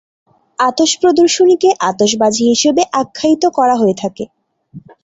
আতশ প্রদর্শনীকে আতশবাজি হিসেবে আখ্যায়িত করা হয়ে থাকে।